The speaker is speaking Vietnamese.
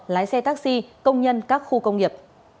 lái xe taxi công nhân các khu công nghiệp